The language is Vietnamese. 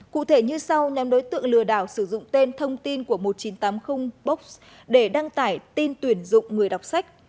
cụ thể như sau nhóm đối tượng lừa đảo sử dụng tên thông tin của một nghìn chín trăm tám mươi books để đăng tải tin tuyển dụng người đọc sách